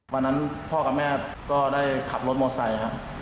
วันนั้นพ่อกับแม่ก็ได้ขับรถมอเตอร์ไซต์